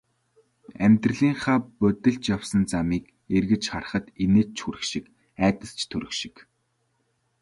Амьдралынхаа будилж явсан замыг эргэж харахад инээд ч хүрэх шиг, айдас ч төрөх шиг.